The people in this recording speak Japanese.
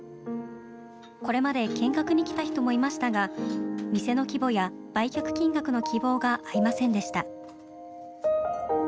これまで見学に来た人もいましたが店の規模や売却金額の希望が合いませんでした。